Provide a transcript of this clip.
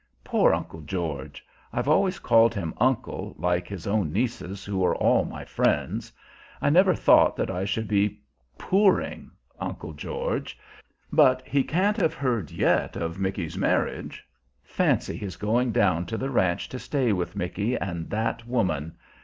Poor Uncle George! I've always called him 'uncle' like his own nieces, who are all my friends. I never thought that I should be 'poor ing' Uncle George! But he can't have heard yet of Micky's marriage. Fancy his going down to the ranch to stay with Micky and that woman!